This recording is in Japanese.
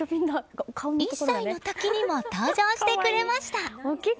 １歳の時にも登場してくれました。